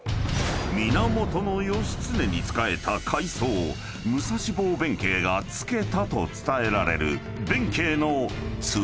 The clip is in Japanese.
［源義経に仕えた怪僧武蔵坊弁慶が付けたと伝えられる］